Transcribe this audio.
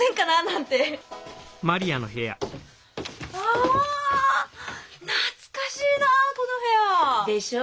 ああ懐かしいなこの部屋！でしょ